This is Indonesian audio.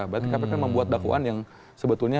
berarti kpk membuat dakwaan yang sebetulnya